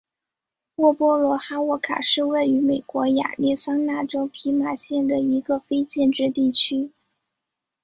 沃波罗哈沃卡是位于美国亚利桑那州皮马县的一个非建制地区。